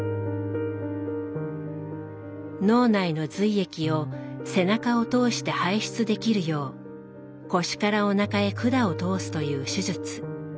脳内の髄液を背中を通して排出できるよう腰からおなかへ管を通すという手術。